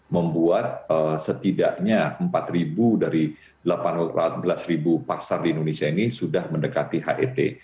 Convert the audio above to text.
membuat setidaknya empat dari delapan belas pasar di indonesia ini sudah mendekati het